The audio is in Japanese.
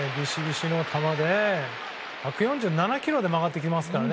１４７キロで曲がってきますからね。